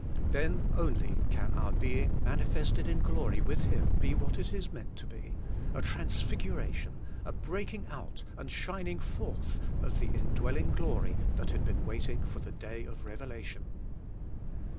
Then only can our being manifested in glory with Him be what it is meant to be, — a transfiguration, a breaking out and shining forth of the indwelling glory that had been waiting for the day of revelation.